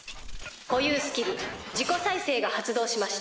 固有スキル自己再生が発動しました」。